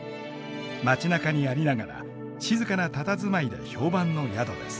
街なかにありながら静かなたたずまいで評判の宿です。